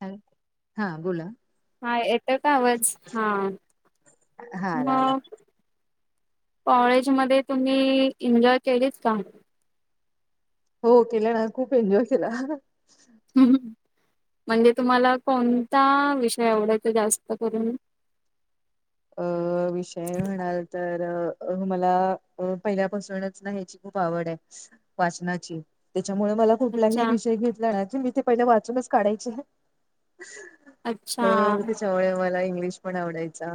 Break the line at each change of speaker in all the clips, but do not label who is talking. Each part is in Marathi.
[unintelligible] हा, बोला.
हा, येतं का आवाज? हा,
हा आला आला
मग. कॉलेजमध्ये, तुम्ही एन्जॉय केलीच का?
हो, केलं ना. खूप एन्जॉय केला.
[unintelligible] म्हणजे, तुम्हाला कोणता विषय आवडाचा? जास्त करून.
अ विषय म्हणाल तर, अ मला पहिल्यापासूनच ना ह्याची खूप आवडय, वाचनाची. त्याच्यामुळे मला कुठलाही
अच्छा,
विषय घेतला न, मी ते पहिलं वाचूनच काढायचे.
अच्छा,
अ त्याच्यामुळे मला, इंग्लिश पण आवडायचा.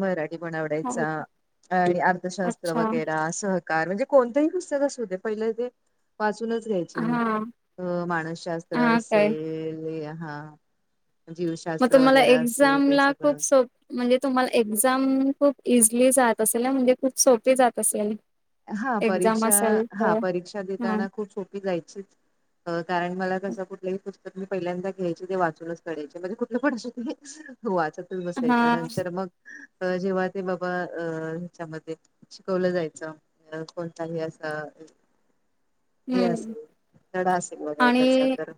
मराठी
हो,
य अर्थशात्र
अच्छा,
वग. [unintelligible] काय म्हणजे कोणत्याही कुसत असू दे पहिले ते. वाचूनच घ्यायची मी
हा,
अ मानसशास्त्र
हा काय
असेल हा.
मग
जीवशास्त्र
तुम्हाला
वगैरे असेल
एक्झाम
ते
ला
सगळं
खूप सोप! म्हणजे तुम्हाला एक्झाम खूप इझली जात असेल म्हणजे. खूप सोपी जात असेल.
हा
एक्झाम
परीक्षा,
असेल
हा
तर
परीक्षा
हा,
देताना, खूप सोपी जायची. कारण मला कसं, कुठलंही पुस्तक मी पहिल्यांदा घ्यायचे, ते वाचूनच कढायचे. म्हणजे कुठलं पण असो [unintelligible] हो, वाचतच बसायचं.
हा,
नंतर मग अ जेव्हा ते बाबा, अ ह्याच्यामध्ये, शिकवलं जायचं. अ कोणताही असं
हम्म.
तडा असेल व
आणि
आताचर.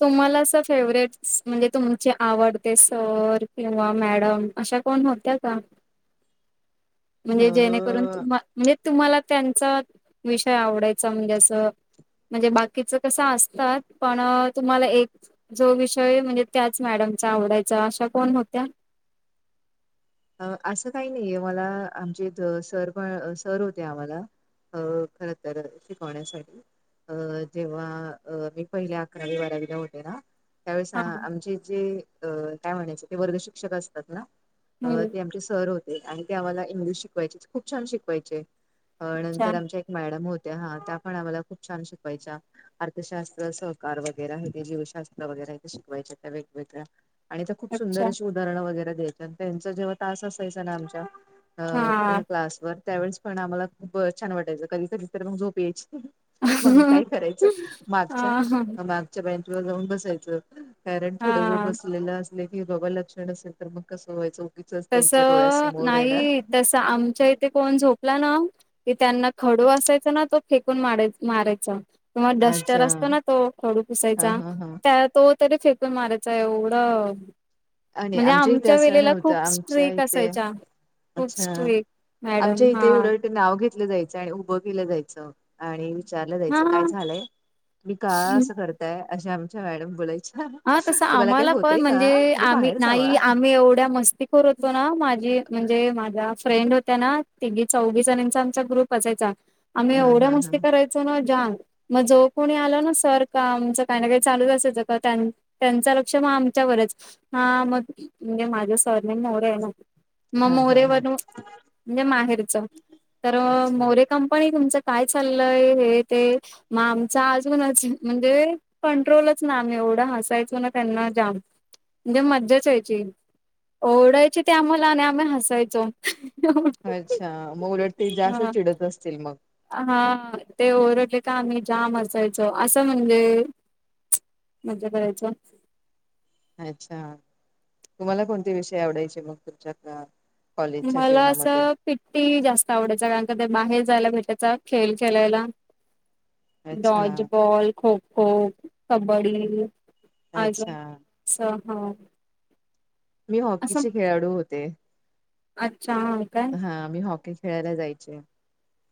तुम्हाला अस फेवरेट म्हणजे तुमचे आवडते सर किंवा मॅडम अशा. कोण होता्या का.
[inaudible] अ
म्हणजे जेणेकरून तु्हा. म्हणजे तुम्हाला त्यांचा विषय आवडायचा म्हणजे असं. म्हणजे बाकीचं कसं असतात पण. तुम्हाला एक जो विषय म्हणजे त्याच मॅडमचा आवडायचा अशा कोण होत्या?
असं काही नाहीय मला आमचे सर पण सर होते आम्हाला. अ खर तर शिकवण्यासाठी. अ जेव्हा मी पहिल्या अकरावी बारावीला होते ना. त्यावेळेस
हा
आमचे जे अ काय म्हणायचं ते वर्ग शिक्षक असतात ना. अ
हम्म
ते आमचे सर होते आणि ते आम्हाला इंग्लिश शिकवायचे खूप छान शिकवायचे.
अच्छा
नंतर आमच्या एक मॅडम होत्या हा त्या पण आम्हाला खूप छान शिकवायच्या. अर्थशास्त्र सहकार वगैरे हे ते जीवशास्त्र वगैरे हे ते शिकवायचे त्या वेगवेगळ्या. आणि त्या खूप सुंदर
अच्छा
अशी उदाहरणं वगैरे द्यायची त्यांचा जेव्हा तास असायचा ना आमच्या. अ
हा
त्या क्लासवरर त्यावेळेस पण आम्हाला खूप छान वाटायचं कधी कधी तर मग झोप यायची. मग काय करायचं मागच्या
हा
माग. व जा ब कार पु ज
हा
ब अस क लक्षण अस तर. चौकीचच त्यांच्या
तसं
डोळ्यासमोर येणार.
नाही तसं आमच्या इथे कोण झोपला ना त्यांना खडू असायचा ना तो. फेकून मार मारायच किंवा डस्टर
अच्छा
असतं ना तो खडू
हा
पुसायचा
हा हा.
त्या तो. तरी फेकून मारायच एवढं
आणि
म्हणजे
इथे
आमच्या
असं
वेळेला
नव्हतं
खूप.
आमच्या
स्ट्रीक
इथे
असायच्या खूप स्ट्रीक मॅडम हा.
ते नाव घेतलं जायचं आणि उभं केलं जायचं. आणि विचारलं जायचं काय
हा
झालंय मी का असं करताय असे आमच्या मॅडम बोलायच.
हा तस आम्हाला पण म्हणजे
तुम्ही
आम्ही
बाहेर जावा
नाही आम्ही एवढ. ्या मस्तीखोर होतो ना माझी म्हणजे माझ्या फ्रेंड होत्या ना तिी चौवीस जणांचा आमचा ग्रुप. चायचा आम्ही
हा
एवढ्या
हा हा
मस्ती कराय. ‌च नाग मग जो कोणी आल ना सर का आमच काही ना काही चालूच असायचं का. त्यांचं लक्ष मग आमच्यावरच हा मग म्हणजे माझं सने मोरे आहे ना. मग
हा हा
मोरेवर
हा
म्हणजे माहेरच तर
अच्छा
मोरे. कंपनी तुमचं काय चाललंय हे ते. मग आमचा आजूनच म्हणजे कंट्रोलच ना आम्ही एवढा ह जायच ना त्यांना जाम म्हणजे मज्जाच यायची. ओढायचे ते आम्हाला आणि आम्ही हसायचो.
अच्छा मग उलट ते जास्त
हा
चिडत असतील मग.
हा ते ओरडले का आम्ही जाम असायचो असं म्हणजे मजा करायचो.
अच्छा तुम्हाला कोणते विषय आवडायचे मग तुमच्यात
मला असं पिट्टी जास्त आवडायच कारण क ते बाहेर जायला भेटायचा खेळ खेळायला.
अच्छा
डॉज बॉल खो खो कबड्डी आज
अच्छा
[unintelligible] सहा
मी हॉकीची खेळाडू होते.
अच्छा अं का.
आम्ही हॉकी खेळायला जायचे.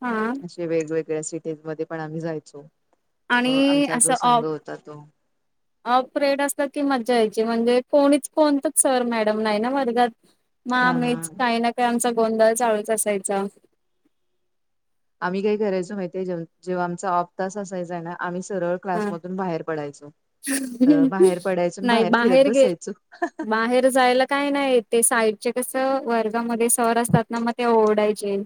हां.
जे वेगवेगळ्या सिटीज मध्ये पण आम्ही जायचो.
आणि
आमचा जो संघ होता तो.
हाफ प्रेड असलं की मजा यायची, म्हणजे कोणीच कोणतच सर मॅडम नाही ना वर्गात. मग
हा हा
आम्हीच काही ना काही आमचा गोंधळ चालूच असायचा.
आम्ही काही करायचो माहितीय, जे जेव्हा आमचा आपप तास असायचा आहे ना आम्ही सरळ
हा
क्लासमधून बाहेर पडायचो. तर बाहेर पडायचो आणि
नाही
फिरत
बाहेर गे,
बसायचो
बाहेर जायला काही नाही ते साईडचे कस, वर्गामध्ये सर असतात ना मग ते ओरडायचे.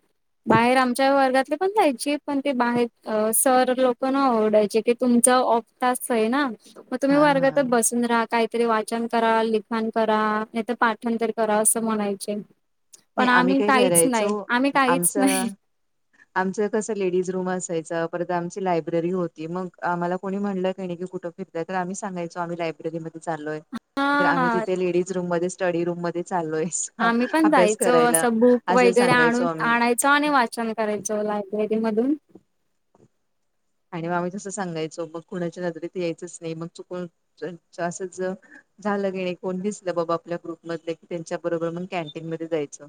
बाहेर आमच्या वर्गातले पण जायचे. पण ते बाहेर सर लोक न आवडायचे ते तुमच ऑफ तास आहे ना, मग तुम्ही
हा
वर्गात
हा
बसून राहा काय तरी वाचन करा, लिखण करा, नाही तर पाठणतर करा असं म्हणायचे.
नाही
पण आम्ही
काय
काहीच
करायचो
नाही,, आम्ही काहीच
आमचा
नाही.
आमचं कसं लेडीज रूम असायचं, परत आमची लायब्ररी होती. मग आम्हाला कोणी म्हणलंय काही नाही की कुठं तर आम्ही सांगयचो, आम्ही लाय री मध्ये चालोय, तर आम्ही
हा.
जिथे लेडीज रूम मध्ये स्टडी रूम मध्ये चालोय.
आम्ही पण
अभ्यास
जायचो
करायला,
असं बुक
असं
वगैरे
सांगायचो
आणून
आम्ही.
आणायचो आणि वाचन करायचो लायब्ररी मधून
आणि म आम्ही तसं सांगायचो, मग कुणाच्या नजरेत यायचंच नाही मग चुक असं ज झालं की कोण दिसलं बाबा आपल्या ग्रुप मधले, की त्यांच्या बरोबर मग कॅन्टीन मध्ये जायचं.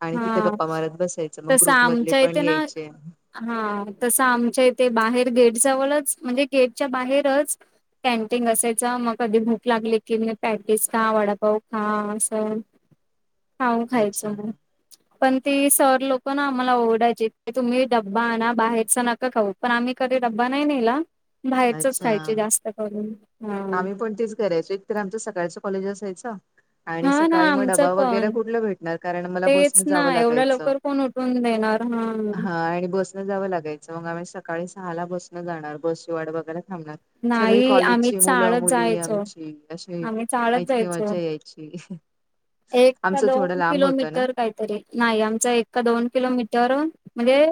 आणि तिथं
हा
गप्पा मारत बसायचं, मग
तसं
ग्रुप मधले
आमच्या
पण
इथे ना
यायचे.
हा तसं आमच्या इथे बाहेर गेटजवळच, म्हणजे गेटच्या बाहेरच कॅनटीन कायचं मग कधी भूक लागली की, मग पॅटेज खा, वडापाव खा असं.
[unintelligible]
हां
अच्छा
खायचं मग. पण ती सर लोक ना, आम्हाला ओरडायची तुम्ही डब्बा आना बाहेरच नका खाऊ पण आम्ही कधी डब्बा नाही नेला, बाहेरच
अच्छा
खायची जास्त करून. हा
आम्ही पण तेच करायचो, एकतर आमच सकाळच कॉलेज असायच. आणि
हा ना
सकाळी मग
आमचं
डबा वगैरे
पण
कुठलं भेटणार, कारण मला बसन
तेच
म
ना
जावं
एवढ्या
लागायचं.
लवकर कोण उठून देणार हा?
आणि बसनं जावं लागायचं, मग आम्ही सकाळी सहाला बसन जाणार, बसची वाट बघाय थांबणार.
नाही आम्ही चाळत
मुलं-मुली
जायचो
आमची असे
आम्ही चाळत
ऐतके
जायचो
मजा यायची.
एक का
आमचं थोडं
दोन
लांब होतं ना
किलोमीटर काही. तरी नाही आमचा एका-दोन किलोमीटर अ म्हणजे.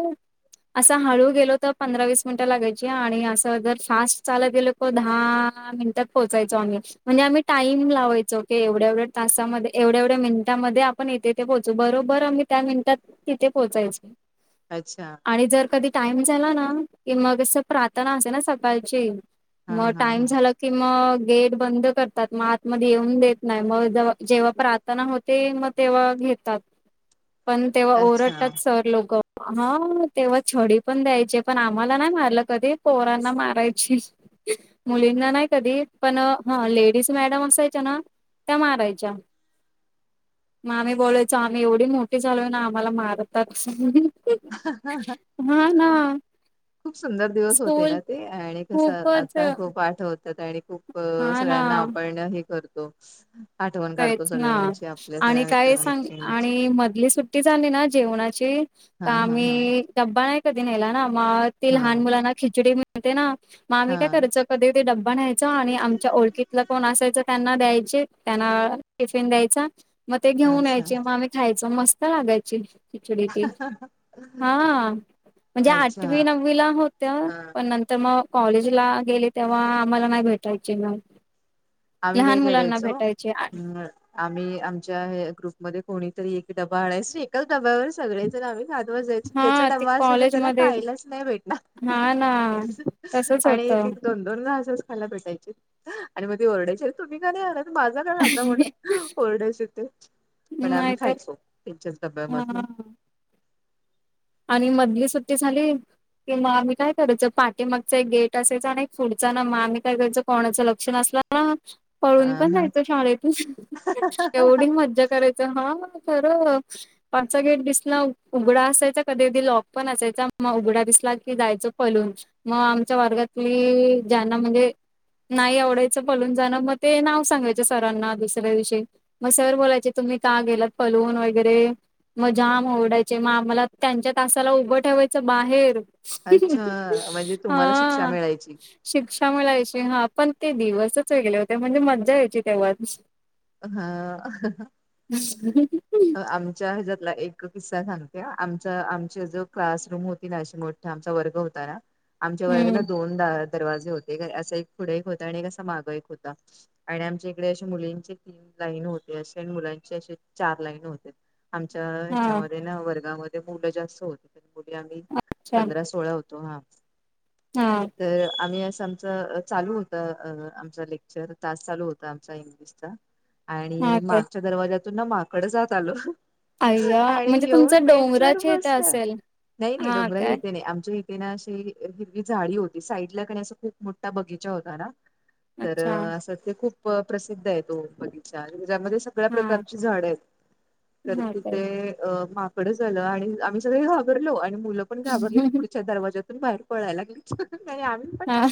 असं हळू गेलो तर पंधरा-वीस मिनिटं लागायची, आणि असं जर फास्ट चालत गेलो. हो दहा आ मिनिटात पोहोचायचो आम्ही, म्हणजे आम्ही टाईम लावायचो, की एवढ्या-एवढ्या तासामध्ये एवढ्या-एवढ्या मिनिटांमध्ये आपण इथेथे पोहोचू, बरोबर आम्ही त्या मिनिटांत तिथे पोहोचायचो.
अच्छा,
आणि जर कधी टाइम झाला ना, की मग असं प्रार्थना असते ना सकाळची
हा
म
हा
टाईम
हा
झाला. कि म गेट बंद करतात, म आतमध्ये येऊन देत नाही, म दवा जेव्हा प्रार्थना होते, मग तेव्हा घेतात, पण तेव्हा
अच्छा
ओरडतात, सर लोक. हा तेव्हा छडी पण द्यायचे, पण आम्हाला नाही मारलं कधी पोरांना मारायची. मुलींना नाही कधी पण अ हा लेडीज मॅडम असायच्या ना त्या मारायच्या मग आम्ही बोलायचो आम्ही एवढी मोठी झालो ना आम्हाला मारतात.
ह
हा ना
[unintelligible] खूप सुंदर दिवस होते
स्कूल
ना ते, आणि कसं
खूपच
आता खूप आठवत होतात आणि खूप
हा ना,
सगळ्यांना आपना हे करतो. आठवण काढतो
तेच ना,
सगळ्यांची आपल्या
आणि
सगळ्या
काय सांग,
मित्रमैत्रिणींची
आणि मधली सुट्टी सुट्टी झाली ना, जेवणाची ता-
हा हा हा
आम्ही डब्बा नाही कधी नेला ना मग ती
हा
लहान मुलांना खिचडी मिळते ना मग आम्ही काय
हा
करायचं कधीधी डब्बा न्यायचा आणि आमच्या ओळखीतला कोण असायचं त्यांना द्यायचे त्यांना टिफिन द्यायचा मग ते घेऊन
अच्छा
यायच मग आम्ही खायच मस्त लागायची खिचडी ते हा म्हणजे आठवी
अच्छा
नववीला होत्या
हा
पण नंतर म कॉलेज ला गेले तेव्हा आम्हाला नाही भेटायचे मग
आम्ही
लहान
काय
मुलांना
करायचो
भेटायचे
हा आम्ही आमच्या एक ग्रुपमध्ये कोणीतरी एक डबा आणायचे एकाच डब्यावर सगळे जण आम्ही खात बसायचो
हा
ज्याचा
ते
डबा असायचा त्याला
कॉलेजमध्ये
खायलाच नाही भेटणार
हा ना तसच
आणि एक
होतं.
एक दोन दोनदा असंच याला भेटायचे आणि मग ते ओरडायचे तुम्ही का नाही आलात? माझा काय आता म्हणून ओरडाचे ते पण आम्ही
नाहीतर
खायचो त्यांच्याच
हा
डब्यामध्ये
आणि मधली सुट्टी झाली कि मग आम्ही काय करायचं पाठीमागचं एक गेट असायचं आणि एक पुढचा ना मग आम्ही काय करायचं कोणाचं लक्ष नसलं हा
हा
पळून पण
हा
जायचो शाळेतून एवढी मज्जा करायचं हा खरं पाटचा गेट दिसला उघडा असायचा कधी कधी लॉक पण असायचा मग उघडा दिसला की जायचो पळून म आमच्या वर्गातली ज्यांना म्हणजे नाही आवडायचं पलून जाणं मग ते नाव सांगायचं सरांना दुसऱ्या दिवशी म सर बोलायचे तुम्ही का गेलात पलून वगैरे मग जाम ओडायचे म आम्हाला त्यांच्या तासाला उभं ठेवायचं बाहेर
अच्छा म्हणजे तुम्हाला शिक्षा
हा
मिळायची
शिक्षा मिळायची हा पण ते दिवसच वेगळे होते म्हणजे मज्जा यायची तेव्हाच
हा अ हा हा अ आम च्या हेज्यातला एक किस्सा सांगते हा आमच्या आमचे जो क्लासरूम होती ना नाशगोळ आमचा वर्ग होता ना आमच्या वर्गाला
हम्म
दोन सा दरवाजे होते काय असा एक पुढे एक होता आणि एक असा मागे एक होता आणि आमच्या इकडे अशे मुलींची तीन लाईन होते अशे आणि मुलांचे असे चार लाईन होते आमच्या
हा
ह्याच्यामध्ये ना वर्गामध्ये मुलं जास्त होती तर मुली आम्ही
छान
पंधरा सोळा होतो हा
हा
तर आम्ही असं आमचं चालू होत आमचा लेक्चर तास चालू होता आमचा इ दिसत आणि
हा काय
मागच्या दरवाज्यातून ना माकडंच आत आल
अय्या
आणि
म्हणजे
येऊन
तुमचं
बेंचवर
डोंगराचे इथे
बसलं
असेल
नाही नाही
हा
डोंगराच
काय
यथे नाही आमच्या ना अशी हिरवी झाडी होती साईड ला का अस खूप मोठा बगीचा होता ना. तर
अच्छा
असं ते खूप प्रसिद्ध आहे तो बगीचा्यामध्ये सगळ्या
हा
प्रकारची झाड आहेत तर
हा काय
तिथे माकडच आलं आणि आम्ही सगळे घाबरलो आणि मुलं पण घाबरली. दरवाजाततून बाहेर पोयला लागल्. पण
हा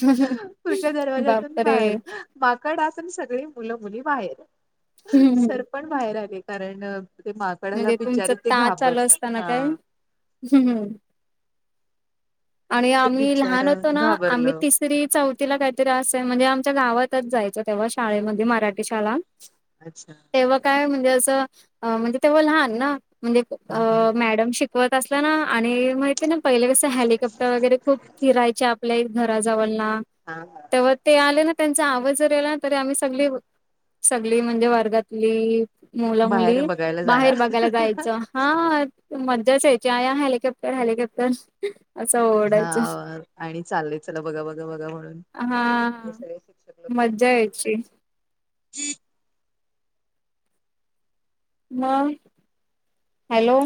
पुढच्या दरवाज्यातून
बापरे
बाहेर माकड आतून सगळी मुलं मुली बाहेर.
हं, हं.
सर पण बाहेर आले कारण ते माकडला
म्हणजे तुमचं
बिचारे ते घाबरतात ना
हम्म हम्म आणि
ते
आम्ही
बिचार
लहान होतो ना आम्ही
घाबरलं
तीस तरी चौथीला काहीतरी असेल म्हणजे आमच्या गावातच जायचं तेव्हा शाळेमध्ये मराठी शाळा
अच्छा
तेव्हा काय म्हणजे अस म्हणजे तेव्हा लहान ना म्हणजे
हा हा
मॅडम शिकते ते होत असला ना आणि माहिती ना पहिले कस हॅली खूप फिरायचे आपल्या घराजवळना.
हा हा.
ते ते आले ना त्यांचा आवज जरी आला ना तरी आम्ही सगळी सगळी म्हणजे वर्गातली मुला
बाहेर
मुली
बघायला
बाहेर
जाणार
बघायला जायचं. हा मजाच यायची आ हेलिकॉप्टर हेलिकॉप्टर असं
हा
ओरडायचं
आणि चाललंय चला बघा बघा बघा म्हणून
हा
सगळ
मज्जा यायची.
[inaudible]
ह हॅलो!